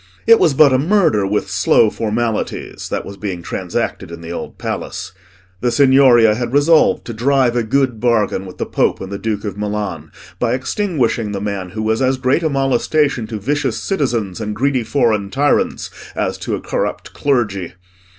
It was but a murder with slow formalities that was being transacted in the Old Palace. The Signoria had resolved to drive a good bargain with the Pope and the Duke of Milan, by extinguishing the man who was as great a molestation to vicious citizens and greedy foreign tyrants as to a corrupt clergy.